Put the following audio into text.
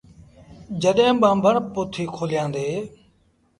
جڏهيݩ ٻآنڀڻ پوٿيٚ کولآيآندي۔